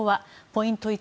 ポイント